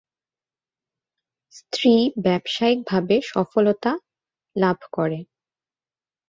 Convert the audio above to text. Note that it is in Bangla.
স্ত্রী ব্যবসায়িক ভাবে সফলতা লাভ করে।